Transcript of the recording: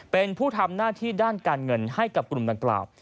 เป็นผู้ทำหน้าที่ด้านการเงินให้กับกลุ่มดังกล่าว